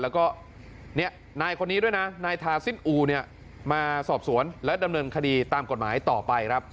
แล้วก็นายคนนี้ด้วยนะนายทาซินอูเนี่ยมาสอบสวนและดำเนินคดีตามกฎหมายต่อไปครับ